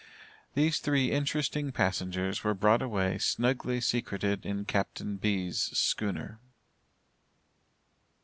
These three interesting passengers were brought away snugly secreted in Captain B's. schooner.